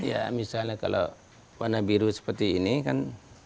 ya misalnya kalau warna biru seperti ini kan